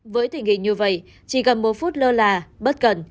với tình hình như vậy chỉ gặp một phút lơ là bất cẩn